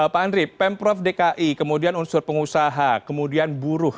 pak andri pemprov dki kemudian unsur pengusaha kemudian buruh